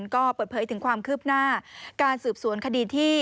ก็เปิดเผยถึงความคืบหน้าการสืบสวนคดีที่